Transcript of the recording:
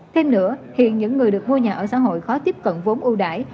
thêm nữa hiện những người được mua nhà ở xã hội khó tiếp cận vốn ưu đại